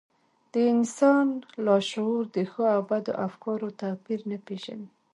د انسان لاشعور د ښو او بدو افکارو توپير نه پېژني.